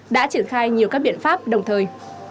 đã triển khai nhiều các biện pháp đồng thời